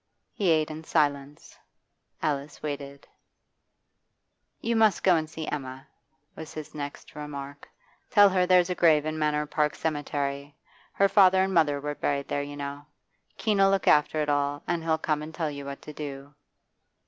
He ate in silence. Alice waited. 'You must go and see Emma,' was his next remark. 'Tell her there's a grave in Manor Park Cemetery; her father and mother were buried there, you know. Keene 'll look after it all and he'll come and tell you what to do.